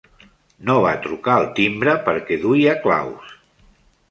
No va trucar al timbre perquè duia claus.